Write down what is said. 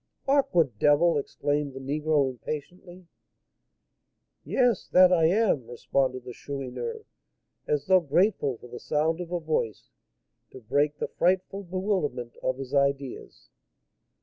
"Awkward devil!" exclaimed the negro, impatiently. "Yes, that I am!" responded the Chourineur, as though grateful for the sound of a voice to break the frightful bewilderment of his ideas.